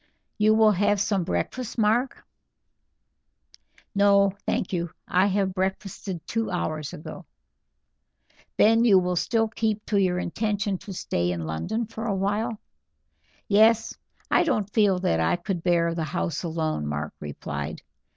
"You will have some breakfast, Mark?" "No, thank you. I breakfasted two hours ago." "Then you still keep to your intention to stay in London for a while?" "Yes. I don't feel that I could bear the house alone," Mark replied.